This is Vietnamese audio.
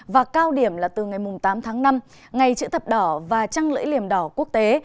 và cao điểm là từ ngày tám tháng năm ngày chữ thập đỏ và trăng lưỡi liềm đỏ quốc tế